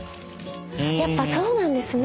やっぱそうなんですね。